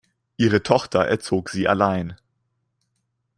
Ihre Tochter erzog sie allein.